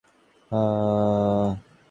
তিনি ‘পার্শ্বনাথ’ নামেই অধিক পরিচিত ছিলেন।